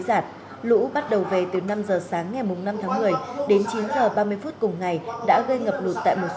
giảt lũ bắt đầu về từ năm giờ sáng ngày năm tháng một mươi đến chín giờ ba mươi phút cùng ngày đã gây ngập lụt tại một